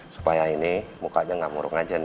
supaya ini mukanya gak murung aja nih